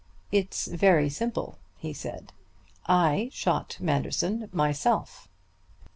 "It's very simple," he said. "I shot Manderson myself."